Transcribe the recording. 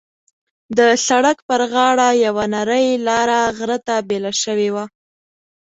د سړک پر غاړه یوه نرۍ لاره غره ته بېله شوې وه.